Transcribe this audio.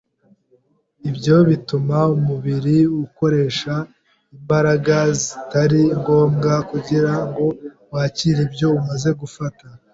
Ibyo bituma umubiri ukoresha imbaraga zitari ngombwa kugira ngo wakire ibyo umaze gufata,